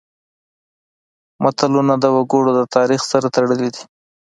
متلونه د وګړو د تاریخ سره تړلي دي